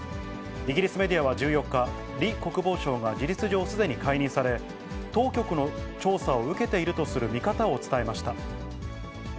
イギリスメディアは１４日、李国防相が事実上、すでに解任され、当局の調査を受けているとする見方を伝えました。